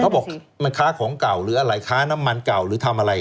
เขาบอกมันค้าของเก่าหรืออะไรค้าน้ำมันเก่าหรือทำอะไร